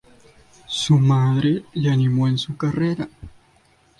Su madre le animó en su carrera.